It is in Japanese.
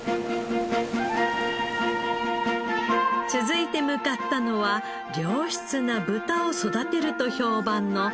続いて向かったのは良質な豚を育てると評判の養豚場。